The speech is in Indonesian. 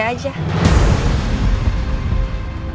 saya aja yang